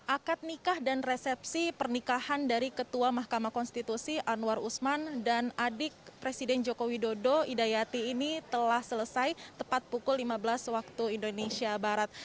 akad nikah dan resepsi pernikahan dari ketua mahkamah konstitusi anwar usman dan adik presiden joko widodo idayati ini telah selesai tepat pukul lima belas waktu indonesia barat